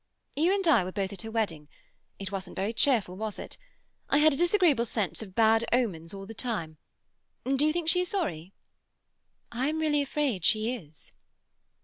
"You and I were both at her wedding. It wasn't very cheerful, was it? I had a disagreeable sense of bad omens all the time. Do you think she is sorry?" "I'm really afraid she is."